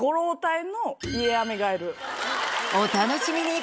お楽しみに！